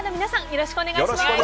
よろしくお願いします。